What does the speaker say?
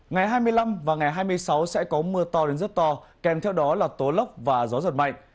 ngày hai mươi năm và ngày hai mươi sáu sẽ có mưa to đến rất to kèm theo đó là tố lốc và gió giật mạnh